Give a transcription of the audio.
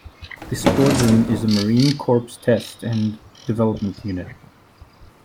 The squadron is a Marine Corps test and development unit.